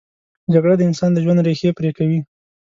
جګړه د انسان د ژوند ریښې پرې کوي